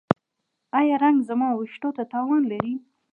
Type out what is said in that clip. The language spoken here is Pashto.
ایا رنګ زما ویښتو ته تاوان لري؟